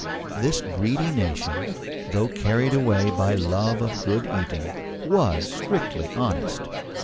This Greedy nation, though carried away by love of good eating, was strictly honest.